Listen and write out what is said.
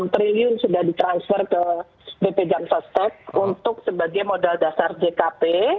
enam triliun sudah di transfer ke bp jam soset untuk sebagai modal dasar jkp